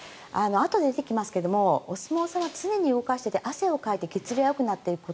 あとで出てきますがお相撲さんは常に動かしていて汗を流して血流がよくなっていくこと